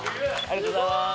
ありがとうございます。